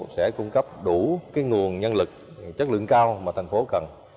sẽ cung cấp đủ nguồn nhân lực chất lượng cao mà thành phố cần